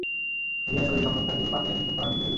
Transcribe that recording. নিরাশ হয়ে সম্রাট তাঁকে ঐ পাতিলে নিক্ষেপ করার নির্দেশ দিল।